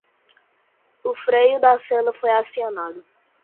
O freio da sela foi acionado